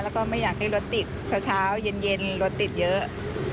แล้วก็ไม่อยากให้รถติดเช้าเย็นรถติดเยอะ